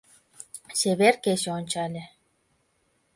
Чевер кече ончале